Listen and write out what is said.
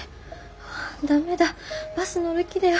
駄目だバス乗る気だよ。